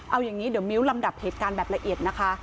เอาอย่างนี้เดี๋ยวมิ้วลำดับเหตุการณ์แบบละเอียดนะคะ